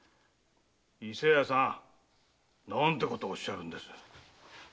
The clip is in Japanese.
伊勢屋さん何てことをおっしゃるんです。